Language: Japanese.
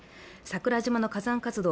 桜島の火山活動